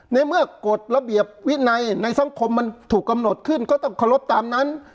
ในเมื่อกฎระเบียบวินัยในสังคมมันถูกกำหนดขึ้นก็ต้องเคารพตามนั้น